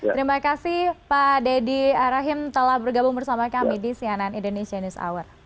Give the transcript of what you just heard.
terima kasih pak deddy rahim telah bergabung bersama kami di cnn indonesia news hour